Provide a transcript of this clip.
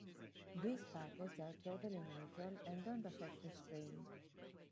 These packets are totally neutral and don't affect the stream.